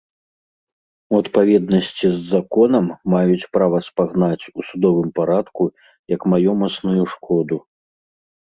У адпаведнасці з законам маюць права спагнаць у судовым парадку як маёмасную шкоду.